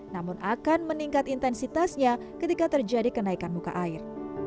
namun akan meningkat intensitasnya ketika terjadi kenaikan muka air